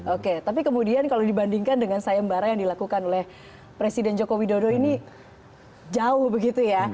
oke tapi kemudian kalau dibandingkan dengan sayembara yang dilakukan oleh presiden joko widodo ini jauh begitu ya